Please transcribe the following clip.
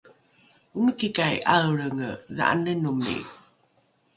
omikikai ’aelrenge dha’anenomi?